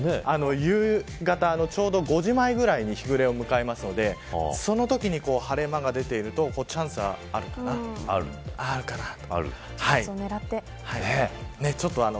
夕方ちょうど５時前ぐらいに日暮れを迎えますのでそのときに晴れ間が出てくるとチャンスはあるのかなと。